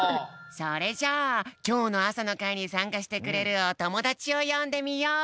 それじゃあきょうの朝の会にさんかしてくれるおともだちをよんでみよう。